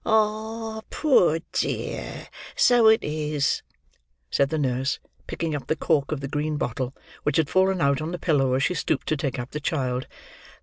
"Ah, poor dear, so it is!" said the nurse, picking up the cork of the green bottle, which had fallen out on the pillow, as she stooped to take up the child.